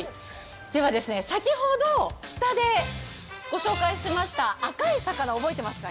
先ほど、下でご紹介した赤い魚、覚えてますか。